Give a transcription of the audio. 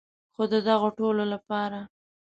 خو د دغو ټولو لپاره.